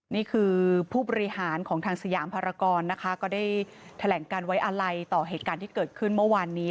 นี่คือผู้บริหารของทางสยามภารกรนะคะก็ได้แถลงการไว้อะไรต่อเหตุการณ์ที่เกิดขึ้นเมื่อวานนี้